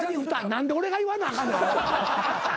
何で俺が言わなあかんねんアホ。